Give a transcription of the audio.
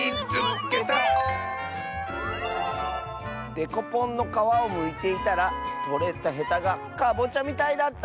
「デコポンのかわをむいていたらとれたへたがかぼちゃみたいだった！」。